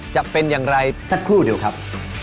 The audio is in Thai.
จะเป็นอย่างไรสักครู่เดียวครับ